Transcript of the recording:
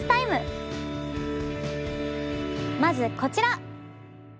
まずこちら。